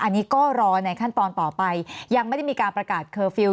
อันนี้ก็รอในขั้นตอนต่อไปยังไม่ได้มีการประกาศเคอร์ฟิลล